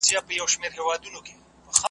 چي بل چاته څوک کوهی کیني ورلویږي .